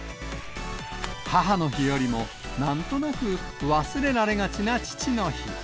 母の日よりも、なんとなく忘れられがちな父の日。